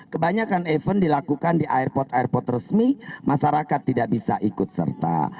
kebanyakan event dilakukan di airport airport resmi masyarakat tidak bisa ikut serta